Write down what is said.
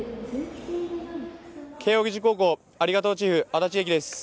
慶応義塾高校ありがとうチーフ・安達英輝です。